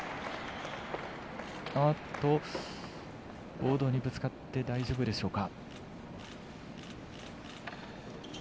ボードにぶつかって大丈夫でしょうか。